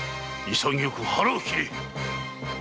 潔く腹を切れ！